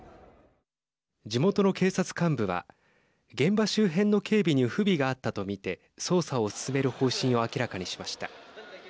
地元の警察幹部は現場周辺の警備に不備があったと見て捜査を進める方針を明らかにしました。